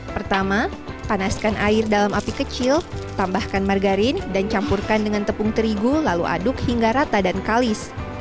pertama panaskan air dalam api kecil tambahkan margarin dan campurkan dengan tepung terigu lalu aduk hingga rata dan kalis